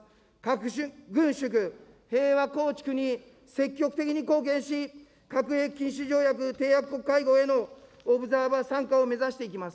核軍縮、平和構築に積極的に貢献し、核兵器禁止条約締約国会合へのオブザーバー参加を目指していきます。